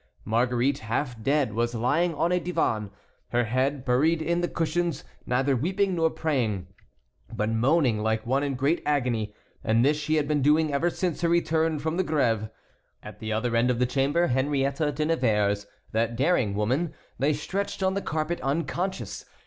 Marguerite, half dead, was lying on a divan, her head buried in the cushions, neither weeping nor praying, but moaning like one in great agony; and this she had been doing ever since her return from the Grève. At the other end of the chamber Henriette de Nevers, that daring woman, lay stretched on the carpet unconscious.